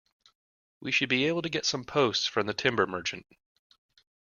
We should be able to get some posts from the timber merchant